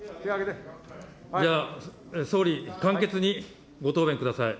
総理、簡潔にご答弁ください。